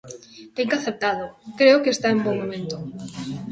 Ten que aceptalo, creo que está en bo momento.